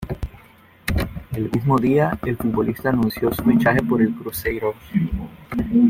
El mismo día el futbolista anunció su fichaje por el Cruzeiro.